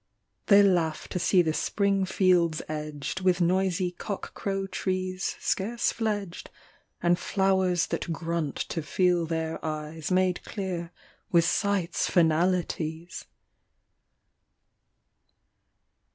They laugh to see the spring fields edged With noisy cock crow trees scarce fledged And flowers that grunt to feel their eyes Made clear with sight's finalities